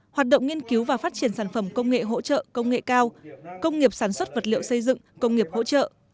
hoạt động nghiên cứu và phát triển sản phẩm công nghệ hỗ trợ công nghệ cao công nghiệp sản xuất vật liệu xây dựng công nghiệp hỗ trợ